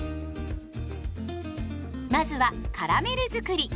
まずはカラメルづくり。